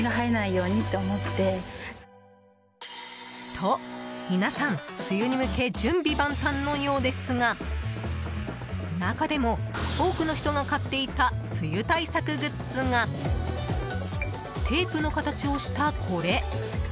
と、皆さん梅雨に向け準備万端のようですが中でも多くの人が買っていた梅雨対策グッズがテープの形をした、これ。